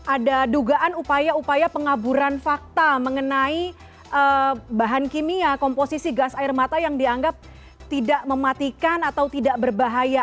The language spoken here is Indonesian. ada dugaan upaya upaya pengaburan fakta mengenai bahan kimia komposisi gas air mata yang dianggap tidak mematikan atau tidak berbahaya